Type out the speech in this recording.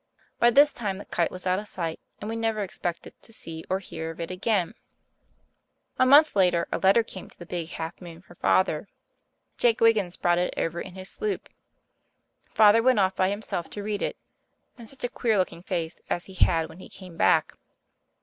By this time the kite was out of sight, and we never expected to see or hear of it again. A month later a letter came to the Big Half Moon for Father. Jake Wiggins brought it over in his sloop. Father went off by himself to read it, and such a queer looking face as he had when he came back!